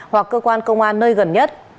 hoặc cơ quan công an nơi gần nhất